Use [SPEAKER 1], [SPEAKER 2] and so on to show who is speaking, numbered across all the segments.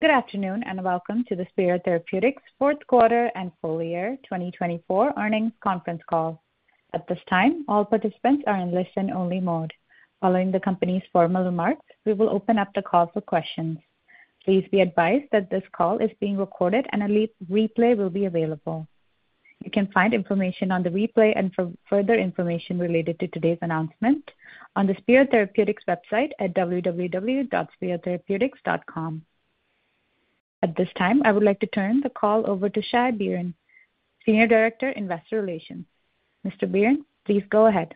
[SPEAKER 1] Good afternoon and welcome to the Spero Therapeutics fourth quarter and full year 2024 earnings conference call. At this time, all participants are in listen-only mode. Following the company's formal remarks, we will open up the call for questions. Please be advised that this call is being recorded and a replay will be available. You can find information on the replay and for further information related to today's announcement on the Spero Therapeutics website at www.sperotherapeutics.com. At this time, I would like to turn the call over to Shai Biran, Senior Director, Investor Relations. Mr. Biran, please go ahead.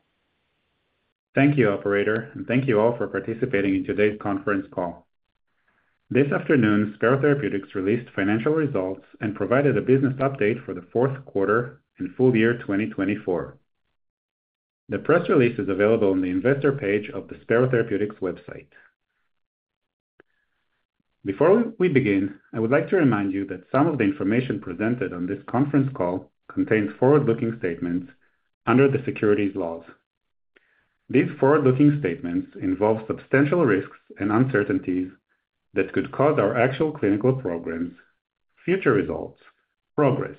[SPEAKER 2] Thank you, Operator, and thank you all for participating in today's conference call. This afternoon, Spero Therapeutics released financial results and provided a business update for the fourth quarter and full year 2024. The press release is available on the investor page of the Spero Therapeutics website. Before we begin, I would like to remind you that some of the information presented on this conference call contains forward-looking statements under the securities laws. These forward-looking statements involve substantial risks and uncertainties that could cause our actual clinical programs, future results, progress,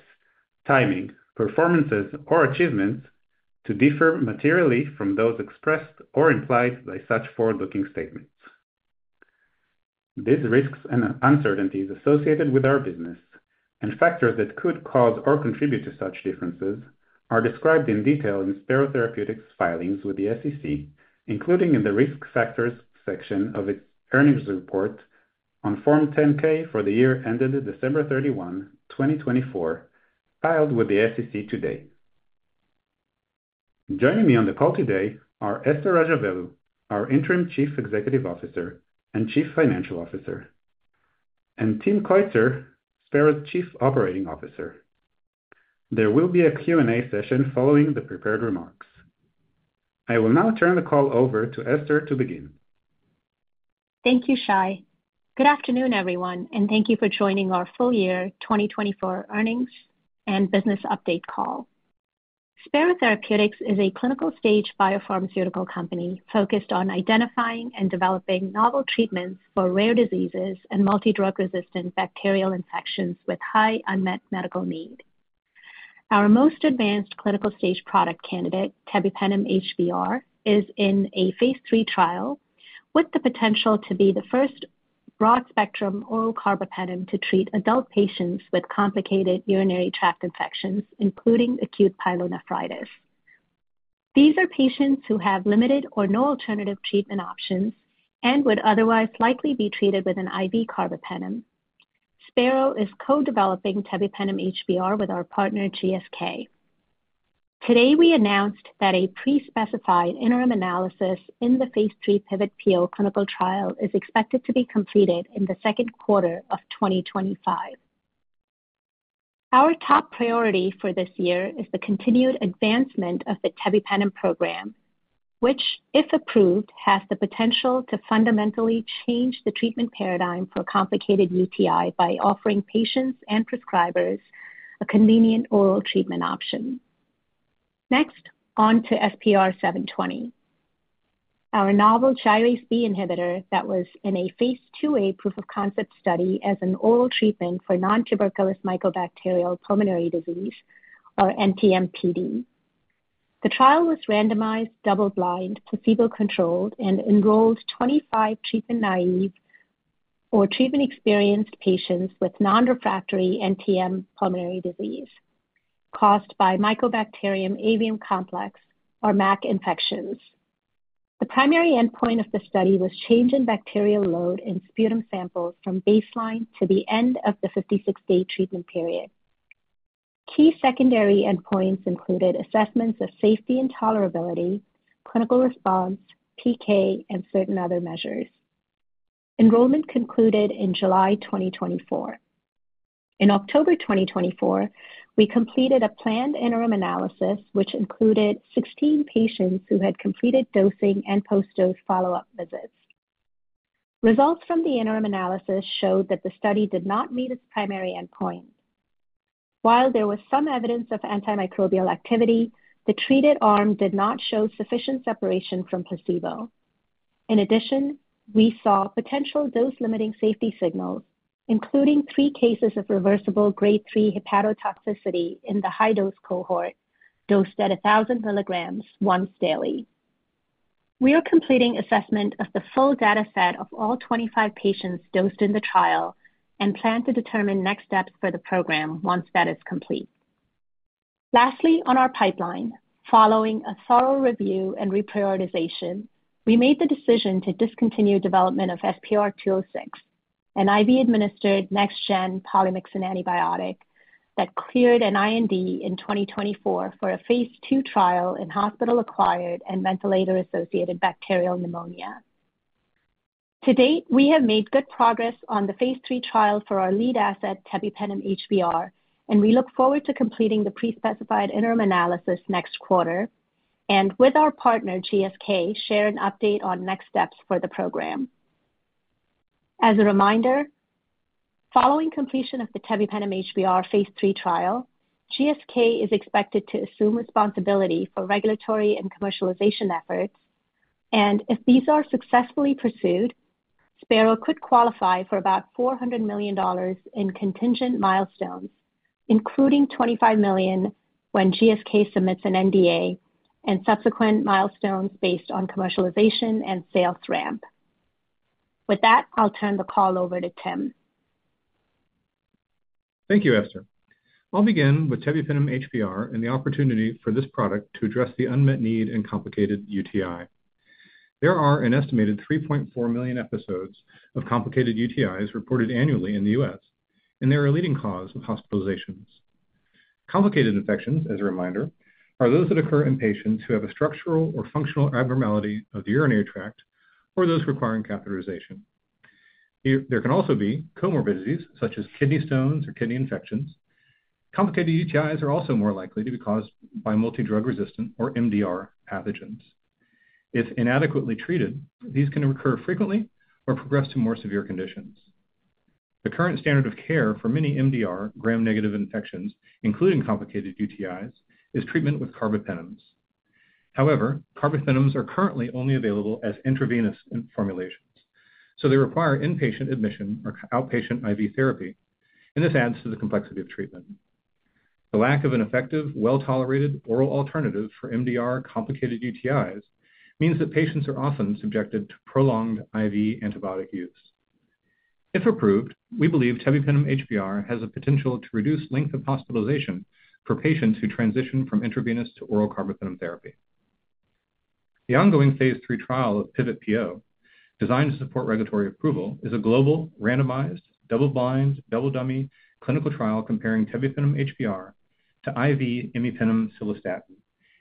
[SPEAKER 2] timing, performances, or achievements to differ materially from those expressed or implied by such forward-looking statements. These risks and uncertainties associated with our business and factors that could cause or contribute to such differences are described in detail in Spero Therapeutics' filings with the SEC, including in the risk factors section of its earnings report on Form 10-K for the year ended December 31, 2024, filed with the SEC today. Joining me on the call today are Esther Rajavelu, our Interim Chief Executive Officer and Chief Financial Officer, and Tim Keutzer, Spero's Chief Operating Officer. There will be a Q&A session following the prepared remarks. I will now turn the call over to Esther to begin.
[SPEAKER 3] Thank you, Shai. Good afternoon, everyone, and thank you for joining our full year 2024 earnings and business update call. Spero Therapeutics is a clinical stage biopharmaceutical company focused on identifying and developing novel treatments for rare diseases and multi-drug-resistant bacterial infections with high unmet medical need. Our most advanced clinical stage product candidate, tebipenem HBr, is in a phase III trial with the potential to be the first broad-spectrum oral carbapenem to treat adult patients with complicated urinary tract infections, including acute pyelonephritis. These are patients who have limited or no alternative treatment options and would otherwise likely be treated with an IV carbapenem. Spero is co-developing tebipenem HBr with our partner, GSK. Today, we announced that a pre-specified interim analysis in the phase III PIVOT-PO clinical trial is expected to be completed in the second quarter of 2025. Our top priority for this year is the continued advancement of the tebipenem program, which, if approved, has the potential to fundamentally change the treatment paradigm for complicated UTI by offering patients and prescribers a convenient oral treatment option. Next, on to SPR720. Our novel gyrase B inhibitor that was in a phase II A proof of concept study as an oral treatment for nontuberculous mycobacterial pulmonary disease, or NTMPD. The trial was randomized, double-blind, placebo-controlled, and enrolled 25 treatment-naive or treatment-experienced patients with non-refractory NTM pulmonary disease caused by Mycobacterium avium complex or MAC infections. The primary endpoint of the study was change in bacterial load in sputum samples from baseline to the end of the 56-day treatment period. Key secondary endpoints included assessments of safety and tolerability, clinical response, PK, and certain other measures. Enrollment concluded in July 2024. In October 2024, we completed a planned interim analysis, which included 16 patients who had completed dosing and post-dose follow-up visits. Results from the interim analysis showed that the study did not meet its primary endpoint. While there was some evidence of antimicrobial activity, the treated arm did not show sufficient separation from placebo. In addition, we saw potential dose-limiting safety signals, including three cases of reversible grade three hepatotoxicity in the high-dose cohort, dosed at 1,000 milligrams once daily. We are completing assessment of the full data set of all 25 patients dosed in the trial and plan to determine next steps for the program once that is complete. Lastly, on our pipeline, following a thorough review and reprioritization, we made the decision to discontinue development of SPR206, an IV-administered next-gen polymyxin antibiotic that cleared an IND in 2024 for a phase II trial in hospital-acquired and ventilator-associated bacterial pneumonia. To date, we have made good progress on the phase III trial for our lead asset, tebipenem HBr, and we look forward to completing the pre-specified interim analysis next quarter and, with our partner, GSK, share an update on next steps for the program. As a reminder, following completion of the tebipenem HBr phase III trial, GSK is expected to assume responsibility for regulatory and commercialization efforts, and if these are successfully pursued, Spero could qualify for about $400 million in contingent milestones, including $25 million when GSK submits an NDA and subsequent milestones based on commercialization and sales ramp. With that, I'll turn the call over to Tim.
[SPEAKER 4] Thank you, Esther. I'll begin with tebipenem HBr and the opportunity for this product to address the unmet need in complicated UTI. There are an estimated 3.4 million episodes of complicated UTIs reported annually in the US, and they are a leading cause of hospitalizations. Complicated infections, as a reminder, are those that occur in patients who have a structural or functional abnormality of the urinary tract or those requiring catheterization. There can also be comorbidities such as kidney stones or kidney infections. Complicated UTIs are also more likely to be caused by multi-drug-resistant or MDR pathogens. If inadequately treated, these can occur frequently or progress to more severe conditions. The current standard of care for many MDR gram-negative infections, including complicated UTIs, is treatment with carbapenems. However, carbapenems are currently only available as intravenous formulations, so they require inpatient admission or outpatient IV therapy, and this adds to the complexity of treatment. The lack of an effective, well-tolerated oral alternative for MDR complicated UTIs means that patients are often subjected to prolonged IV antibiotic use. If approved, we believe tebipenem HBr has the potential to reduce length of hospitalization for patients who transition from intravenous to oral carbapenem therapy. The ongoing phase III trial of PIVOT-PO, designed to support regulatory approval, is a global, randomized, double-blind, double-dummy clinical trial comparing tebipenem HBr to IV imipenem/cilastatin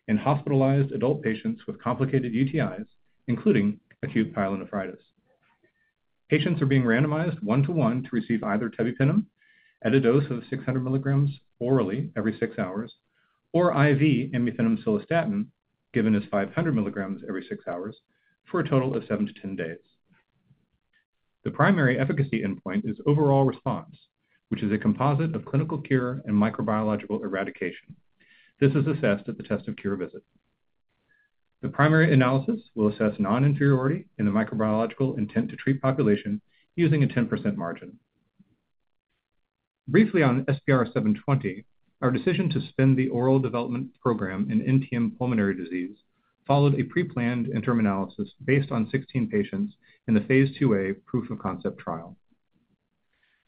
[SPEAKER 4] in hospitalized adult patients with complicated UTIs, including acute pyelonephritis. Patients are being randomized one-to-one to receive either tebipenem at a dose of 600 milligrams orally every six hours or IV imipenem/cilastatin given as 500 milligrams every six hours for a total of 7 to 10 days. The primary efficacy endpoint is overall response, which is a composite of clinical cure and microbiological eradication. This is assessed at the test of cure visit. The primary analysis will assess non-inferiority in the microbiological intent-to-treat population using a 10% margin. Briefly on SPR720, our decision to suspend the oral development program in NTM pulmonary disease followed a pre-planned interim analysis based on 16 patients in the phase II A proof of concept trial.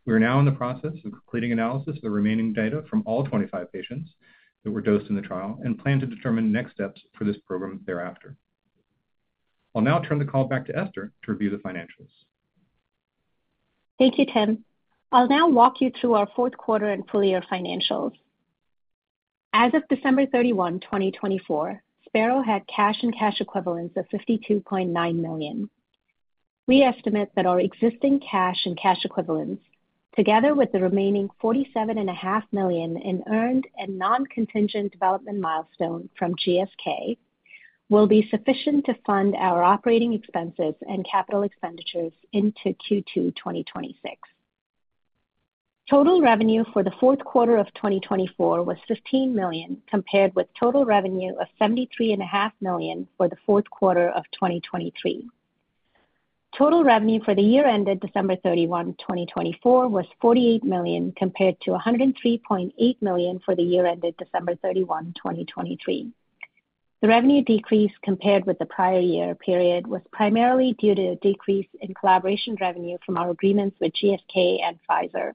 [SPEAKER 4] We are now in the process of completing analysis of the remaining data from all 25 patients that were dosed in the trial and plan to determine next steps for this program thereafter. I'll now turn the call back to Esther to review the financials.
[SPEAKER 3] Thank you, Tim. I'll now walk you through our fourth quarter and full year financials. As of December 31, 2024, Spero had cash and cash equivalents of $52.9 million. We estimate that our existing cash and cash equivalents, together with the remaining $47.5 million in earned and non-contingent development milestone from GSK, will be sufficient to fund our operating expenses and capital expenditures into Q2 2026. Total revenue for the fourth quarter of 2024 was $15 million compared with total revenue of $73.5 million for the fourth quarter of 2023. Total revenue for the year ended December 31, 2024, was $48 million compared to $103.8 million for the year ended December 31, 2023. The revenue decrease compared with the prior year period was primarily due to a decrease in collaboration revenue from our agreements with GSK and Pfizer.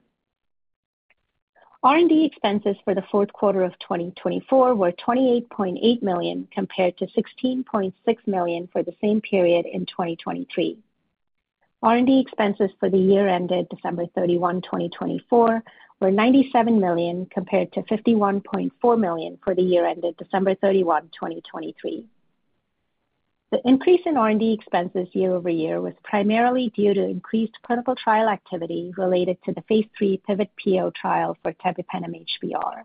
[SPEAKER 3] R&D expenses for the fourth quarter of 2024 were $28.8 million compared to $16.6 million for the same period in 2023. R&D expenses for the year ended December 31, 2024, were $97 million compared to $51.4 million for the year ended December 31, 2023. The increase in R&D expenses year over year was primarily due to increased clinical trial activity related to the phase III PIVOT-PO trial for tebipenem HBr.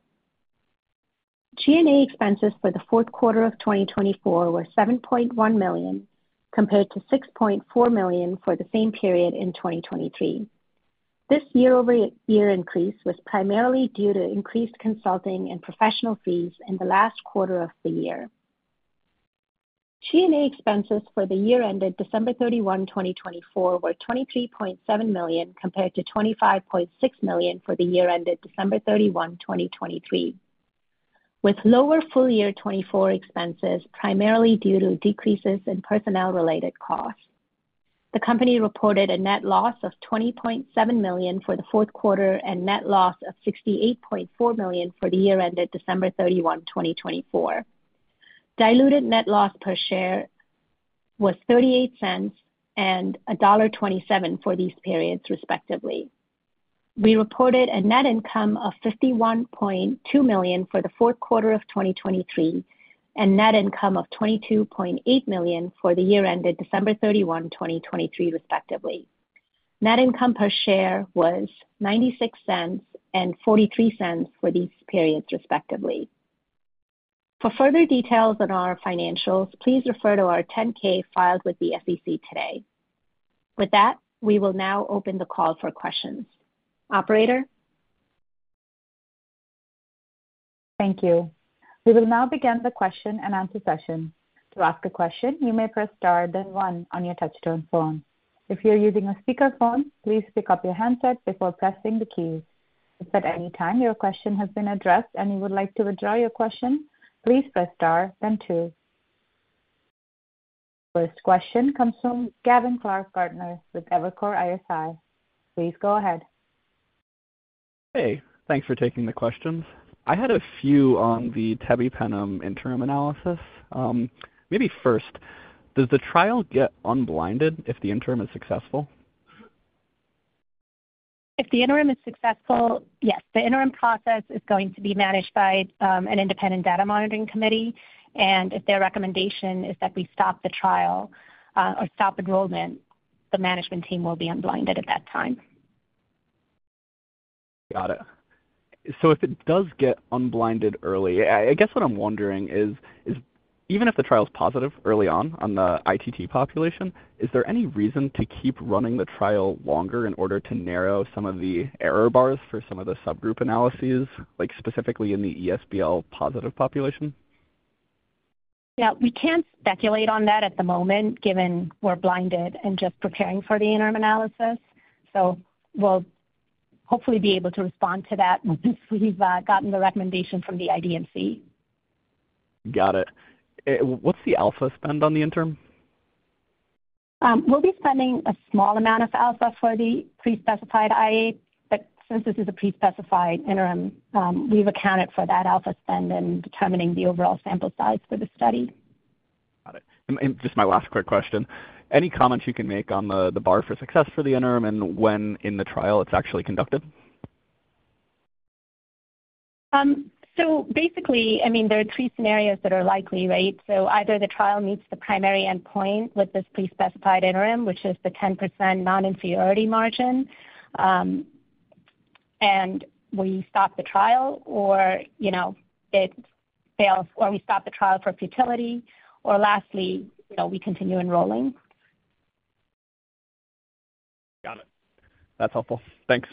[SPEAKER 3] G&A expenses for the fourth quarter of 2024 were $7.1 million compared to $6.4 million for the same period in 2023. This year-over-year increase was primarily due to increased consulting and professional fees in the last quarter of the year. G&A expenses for the year ended December 31, 2024, were $23.7 million compared to $25.6 million for the year ended December 31, 2023, with lower full year 2024 expenses primarily due to decreases in personnel-related costs. The company reported a net loss of $20.7 million for the fourth quarter and net loss of $68.4 million for the year ended December 31, 2024. Diluted net loss per share was $0.38 and $1.27 for these periods, respectively. We reported a net income of $51.2 million for the fourth quarter of 2023 and net income of $22.8 million for the year ended December 31, 2023, respectively. Net income per share was $0.96 and $0.43 for these periods, respectively. For further details on our financials, please refer to our 10-K filed with the SEC today. With that, we will now open the call for questions. Operator.
[SPEAKER 1] Thank you. We will now begin the question and answer session. To ask a question, you may press star then one on your touchstone phone. If you're using a speakerphone, please pick up your handset before pressing the keys. If at any time your question has been addressed and you would like to withdraw your question, please press star then two. First question comes from Gavin Clark-Gartner with Evercore ISI. Please go ahead.
[SPEAKER 5] Hey, thanks for taking the questions. I had a few on the tebipenem interim analysis. Maybe first, does the trial get unblinded if the interim is successful?
[SPEAKER 3] If the interim is successful, yes. The interim process is going to be managed by an Independent Data Monitoring Committee, and if their recommendation is that we stop the trial or stop enrollment, the management team will be unblinded at that time.
[SPEAKER 5] Got it. If it does get unblinded early, I guess what I'm wondering is, even if the trial's positive early on on the ITT population, is there any reason to keep running the trial longer in order to narrow some of the error bars for some of the subgroup analyses, like specifically in the ESBL positive population?
[SPEAKER 3] Yeah, we can't speculate on that at the moment given we're blinded and just preparing for the interim analysis. We will hopefully be able to respond to that once we've gotten the recommendation from the IDMC.
[SPEAKER 5] Got it. What's the alpha spend on the interim?
[SPEAKER 3] We'll be spending a small amount of alpha for the pre-specified IA, but since this is a pre-specified interim, we've accounted for that alpha spend in determining the overall sample size for the study.
[SPEAKER 5] Got it. Just my last quick question. Any comments you can make on the bar for success for the interim and when in the trial it's actually conducted?
[SPEAKER 3] Basically, I mean, there are three scenarios that are likely, right? Either the trial meets the primary endpoint with this pre-specified interim, which is the 10% non-inferiority margin, and we stop the trial, or we stop the trial for futility, or lastly, we continue enrolling.
[SPEAKER 5] Got it. That's helpful. Thanks.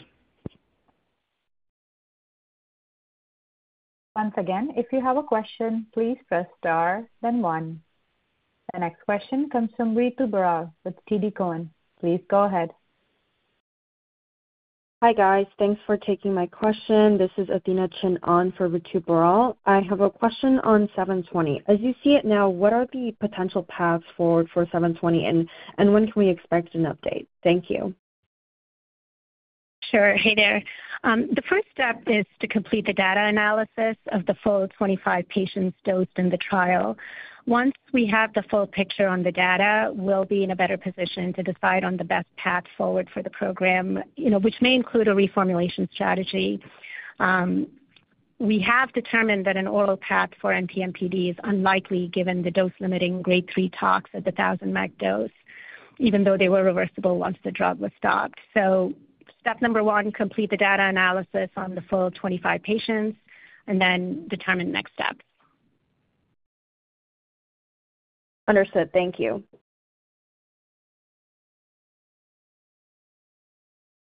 [SPEAKER 1] Once again, if you have a question, please press star then one. The next question comes from Ritu Baral with TD Cowen. Please go ahead.
[SPEAKER 6] Hi guys. Thanks for taking my question. This is Athena Chin-An for Ritu Baral. I have a question on 720. As you see it now, what are the potential paths forward for 720, and when can we expect an update? Thank you.
[SPEAKER 3] Sure. Hey there. The first step is to complete the data analysis of the full 25 patients dosed in the trial. Once we have the full picture on the data, we'll be in a better position to decide on the best path forward for the program, which may include a reformulation strategy. We have determined that an oral path for NTM-PDs unlikely given the dose-limiting grade three toxicity at the 1,000 mcg dose, even though they were reversible once the drug was stopped. Step number one, complete the data analysis on the full 25 patients, and then determine next steps.
[SPEAKER 6] Understood. Thank you.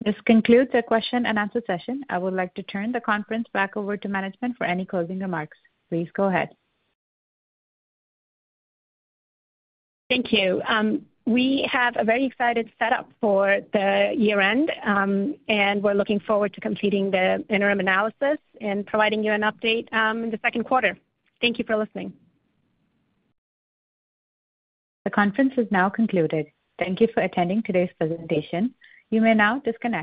[SPEAKER 1] This concludes the question and answer session. I would like to turn the conference back over to management for any closing remarks. Please go ahead.
[SPEAKER 3] Thank you. We have a very exciting setup for the year-end, and we're looking forward to completing the interim analysis and providing you an update in the second quarter. Thank you for listening.
[SPEAKER 1] The conference is now concluded. Thank you for attending today's presentation. You may now disconnect.